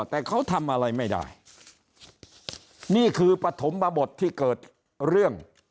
แต่เขาทำอะไรไม่ได้นี่คือปฐมบทที่เกิดเรื่อง